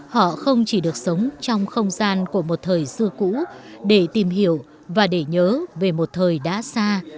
họ không chỉ được sống trong không gian của một thời xưa cũ để tìm hiểu và để nhớ về một thời đã xa